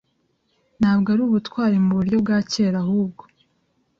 ntabwo ari ubutwari muburyo bwa kera ahubwo